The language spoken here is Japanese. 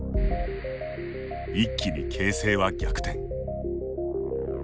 一気に形勢は逆転。